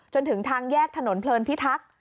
จนถึงทางแยกถนนเพลินพิทักษ์